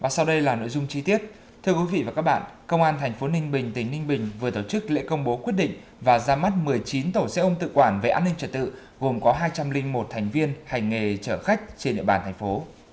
sau đây là nội dung chi tiết thưa quý vị và các bạn công an thành phố ninh bình tỉnh ninh bình vừa tổ chức lễ công bố quyết định và ra mắt một mươi chín tàu xe ôm tự quản về an ninh trật tự gồm có hai trăm linh một thành viên hành nghề chở khách trên địa bàn thành phố